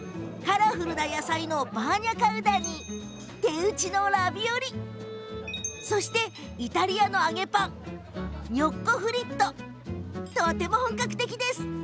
カラフルな野菜のバーニャカウダに手打ちのラビオリそしてイタリアの揚げパンニョッコフリットとても本格的。